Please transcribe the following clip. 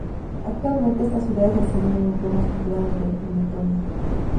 Actualmente esta ciudad es el segundo núcleo más poblado de Letonia.